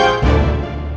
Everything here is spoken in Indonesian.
kamu udah jenis reachednya